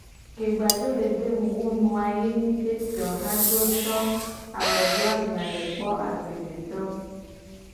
Ke gba jo le ve mu wu nu a ye nyi be fioha jo so alo do agla le kpo agbledetowo.